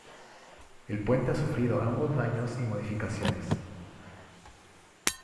El puente ha sufrido ambos daños y modificaciones.